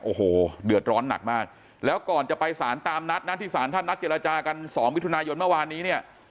โอ้โหเดือดร้อนหนักมากแล้วก่อนจะไปสารตามนัดนะที่สารท่านนัดเจรจากัน๒มิถุนายนเมื่อวานนี้เนี่ย